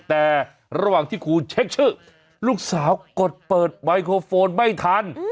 แต่ระหว่างที่ครูเช็คชื่อลูกสาวกดเปิดไมโครโฟนไม่ทัน